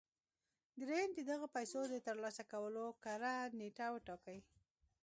درېيم د دغو پيسو د ترلاسه کولو کره نېټه وټاکئ.